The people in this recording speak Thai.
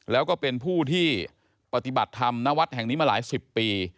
แล้วก็เป็นผู้ที่ปฏิบัติธรรมณวัดแห่งนี้มาหลายสิบปี